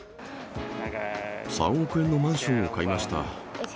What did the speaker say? ３億円のマンションを買いました。